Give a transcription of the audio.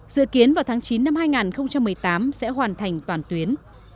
dự kiến vào tháng chín năm hai nghìn một mươi tám sẽ hoàn thành toàn tuyến